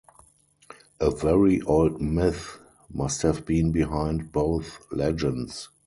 A very old myth must have been behind both legends.